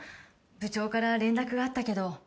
部長から連絡があったけど。